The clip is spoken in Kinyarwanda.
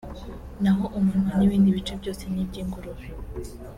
naho umunwa n’ibindi bice byose ni iby’ingurube